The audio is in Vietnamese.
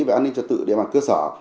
về an ninh trật tự địa bàn cơ sở